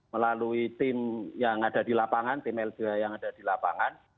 melalui tim yang ada di lapangan tim lgh yang ada di lapangan